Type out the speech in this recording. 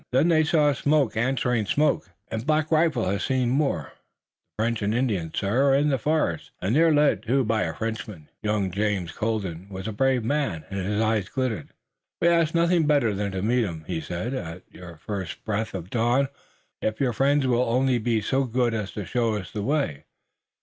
Then they saw smoke answering smoke, and Black Rifle has seen more. The French and Indians, sir, are in the forest, and they're led, too, by Frenchmen." Young James Colden was a brave man, and his eyes glittered. "We ask nothing better than to meet 'em," he said, "At the first breath of dawn we'll march against 'em, if your friends will only be so good as to show us the way."